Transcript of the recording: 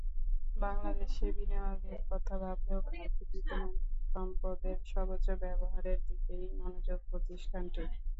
বাংলাদেশে বিনিয়োগের কথা ভাবলেও ভারতে বিদ্যমান সম্পদের সর্বোচ্চ ব্যবহারের দিকেই মনোযোগ প্রতিষ্ঠানটির।